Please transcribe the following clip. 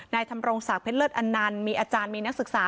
นายธรรมรงสักเพล็ดเลิศอนั่นมีอาจารย์มีนักศึกษา